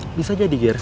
bisa jadi ger